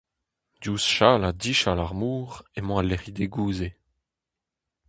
Diouzh chal ha dichal ar mor emañ al lec'hidegoù-se.